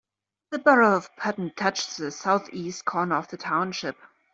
The borough of Patton touches the southeast corner of the township.